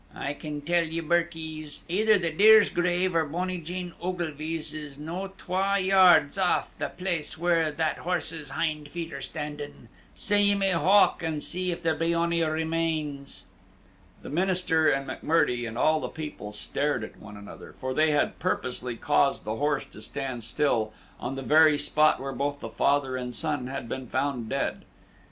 I can tell ye, birkies, either the deer's grave or bonny Jane Ogilvie's is no twa yards aff the place where that horse's hind feet are standin'; sae ye may howk, an' see if there be ony remains." The minister and M'Murdie and all the people stared at one another, for they had purposely caused the horse to stand still on the very spot where both the father and son had been found dead.